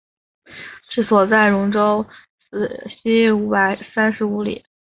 治所在戎州西五百三十五里。